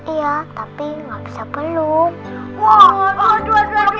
iya tapi nggak bisa peluk